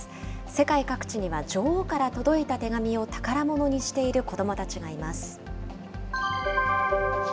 世界各地には女王から届いた手紙を宝物にしている子どもたちがいます。